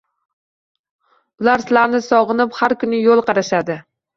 Ular silarni sog’inib har kuni yo’l qarashadi.